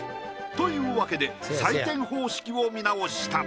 というわけで採点方式を見直した。